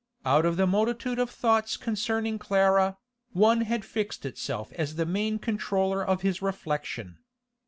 Out of the multitude of thoughts concerning Clara, one had fixed itself as the main controller of his reflection.